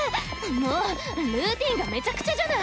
もうルーティンがめちゃくちゃじゃない！